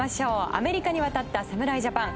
アメリカに渡った侍ジャパン。